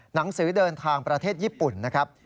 หนังสือเดินทางประเทศญี่ปุ่นนะครับ